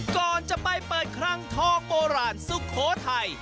ก่อนจะไปเปิดคลังทองโบราณสุโขทัย